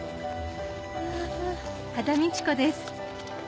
羽田美智子です